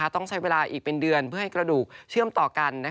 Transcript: ต้องใช้เวลาอีกเป็นเดือนเพื่อให้กระดูกเชื่อมต่อกัน